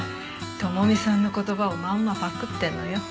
朋美さんの言葉をまんまパクってるのよ。